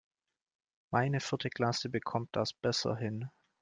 Meine vierte Klasse bekommt das besser hin.